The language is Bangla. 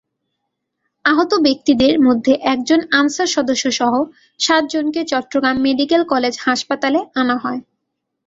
আহত ব্যক্তিদের মধ্যে একজন আনসার সদস্যসহ সাতজনকে চট্টগ্রাম মেডিকেল কলেজ হাসপাতালে আনা হয়।